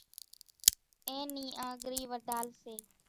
اين نِي آنڳرِي وڍال سي۔